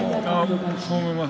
そう思います。